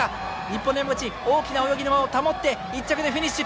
日本の山口大きな泳ぎを保って１着でフィニッシュ！